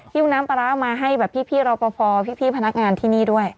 พี่หน้าประราวมาให้พี่รอเปอพอพี่พนักงานที่นี่ด้วย